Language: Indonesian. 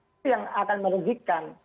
itu yang akan merugikan